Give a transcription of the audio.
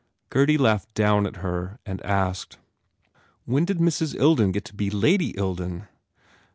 Gurdy laughed down at her and asked, "When did Mrs. Ilden get to be Lady Ilden?"